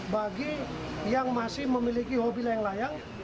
bagi yang masih memiliki hobi layang layang